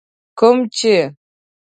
کوم چي